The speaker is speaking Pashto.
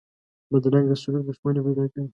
بدرنګه سلوک دښمني پیدا کوي